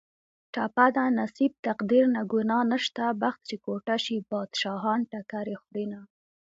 ټپه ده: نصیب تقدیر نه ګناه نشته بخت چې کوټه شي بادشاهان ټکرې خورینه